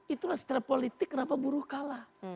itu lah secara politik kenapa buruh kalah